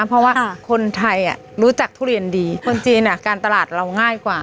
เพราะว่าคนไทยรู้จักทุเรียนดีคนจีนการตลาดเราง่ายกว่า